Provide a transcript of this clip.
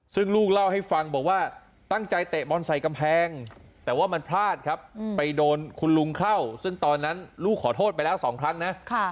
ซึ่งลูกเล่าให้ฟังบอกว่าตั้งใจเตะบอลใส่กำแพงแต่ว่ามันพลาดครับไปโดนคุณลุงเข้าซึ่งตอนนั้นลูกขอโทษไปแล้ว๒ครั้งนะ